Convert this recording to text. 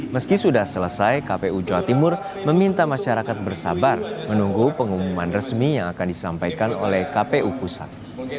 meski sudah selesai kpu jawa timur meminta masyarakat bersabar menunggu pengumuman resmi yang akan disampaikan oleh kpu pusat